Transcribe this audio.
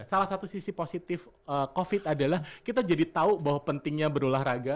salah satu sisi positif covid adalah kita jadi tahu bahwa pentingnya berolahraga